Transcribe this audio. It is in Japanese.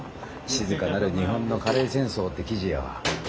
静かなる日本のカレー戦争」って記事よ。